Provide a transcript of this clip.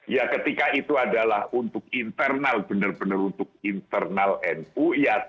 ya ketika itu adalah untuk internal benar benar untuk internal nu